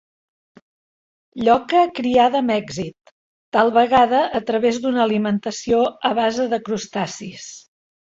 Lloca criada amb èxit, tal vegada a través d'una alimentació a base de crustacis.